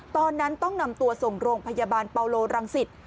ตอนนั้นต้องนำตัวส่งโรงพยาบาลเปาโลรังสิต